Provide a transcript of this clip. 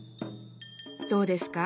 どうですか？